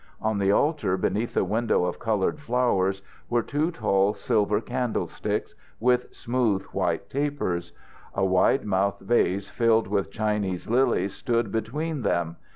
On the altar beneath the window of coloured flowers were two tall silver candlesticks, with smooth white tapers. A wide mouthed vase filled with Chinese lilies stood between them.